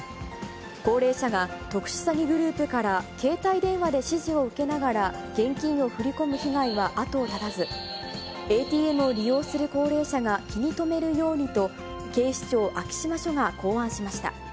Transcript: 高齢者が特殊詐欺グループから携帯電話で指示を受けながら、現金を振り込む被害は後を絶たず、ＡＴＭを利用する高齢者が気に留めるようにと、警視庁昭島署が考案しました。